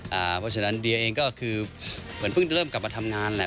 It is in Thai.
เพราะฉะนั้นเดียเองก็คือเหมือนเพิ่งจะเริ่มกลับมาทำงานแหละ